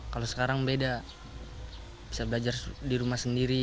kalau sekarang beda bisa belajar di rumah sendiri